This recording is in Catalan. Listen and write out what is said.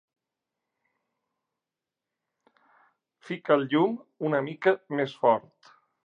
Fica el llum una mica més fort.